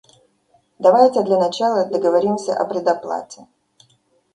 Давайте для начала договоримся о предоплате.